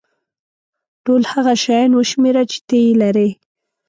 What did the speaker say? ټول هغه شیان وشمېره چې ته یې لرې.